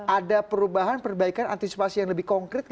ada perubahan perbaikan antisipasi yang lebih konkret